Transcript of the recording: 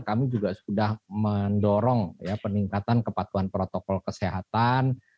kami juga sudah mendorong peningkatan kepatuhan protokol kesehatan